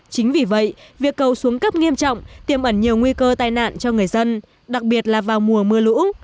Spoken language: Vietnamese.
chính vì vậy việc cầu xuống cấp nghiêm trọng tiêm ẩn nhiều nguy cơ tai nạn cho người dân đặc biệt là vào mùa mưa lũ